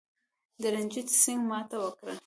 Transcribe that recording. رنجیټ سینګه ماته وکړه.